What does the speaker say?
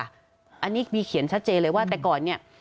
อันนี้มีเขียนชัดเจนเลยว่าแต่ก่อนเนี่ย